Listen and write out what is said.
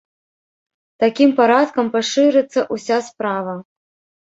Такім парадкам пашырыцца ўся справа.